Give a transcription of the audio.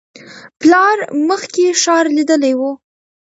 پلار مخکې ښار لیدلی و.